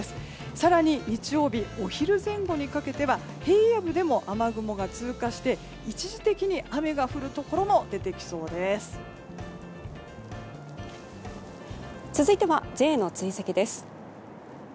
更に日曜日お昼前後にかけては平野部でも雨雲が通過して一時的に雨が降るところも続いては、Ｊの追跡です。